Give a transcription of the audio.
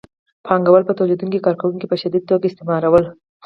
پانګوالو به تولیدونکي کارګران په شدیده توګه استثمارول